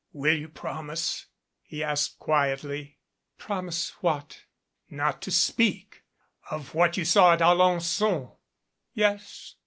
"Will you promise?" he asked quietly. "Promise what?" "Not to speak of what you saw at Alen9on." "Yes.